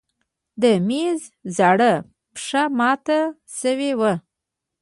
د مېز زاړه پښه مات شوې وه.